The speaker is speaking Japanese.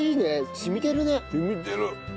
染みてるね。